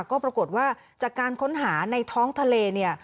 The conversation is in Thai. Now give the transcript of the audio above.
ก็ปรากฏว่าจากการค้นหาในท้องทะเลเนี่ย